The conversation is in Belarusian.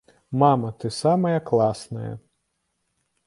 Мама, ты самая класная.